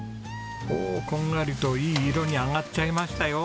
おおこんがりといい色に揚がっちゃいましたよ！